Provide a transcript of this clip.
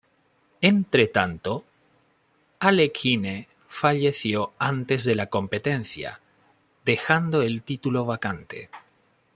Entretanto, Alekhine falleció antes de la competencia, dejando el título vacante.